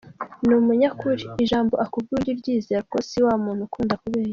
Ni umunyakuri , ijambo akubwiye ujye uryizera kuko si wa muntu ukunda kubeshya.